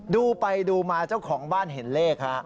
ดูไปดูมาเจ้าของบ้านเห็นเลขฮะ